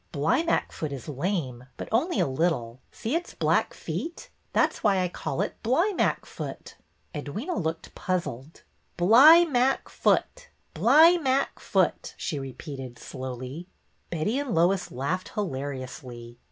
Blymackfoot is lame, but only a little. See its black feet. That 's why I call it Blymackfoot." Edwyna looked puzzled. Bly mack foot ! Bly mack foot !" she repeated, slowly. Betty and Lois laughed hilariously.